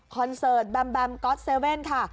เสิร์ตแบมแบมก๊อตเซเว่นค่ะ